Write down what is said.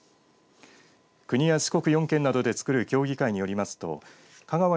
国や四国４県などで作る協議会によります